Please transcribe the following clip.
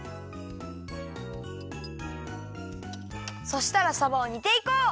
そしたらさばを煮ていこう。